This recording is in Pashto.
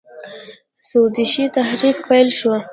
سودیشي تحریک پیل شو.